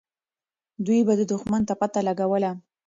دوی به دښمن ته پته لګوله.